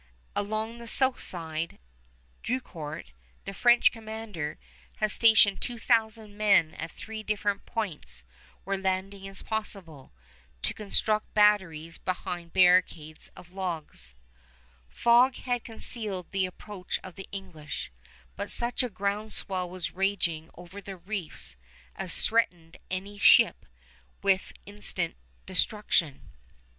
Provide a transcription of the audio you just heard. Along the south side, Drucourt, the French commander, has stationed two thousand men at three different points where landing is possible, to construct batteries behind barricades of logs. [Illustration: BOSCAWEN] Fog had concealed the approach of the English, but such a ground swell was raging over the reefs as threatened any ship with instant destruction.